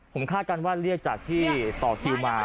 ผมคาดการณ์ว่าเรียกจากที่ต่อคิวมา